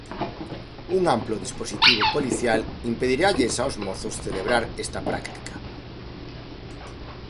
Un amplo dispositivo policial impediralles aos mozos celebrar esta práctica.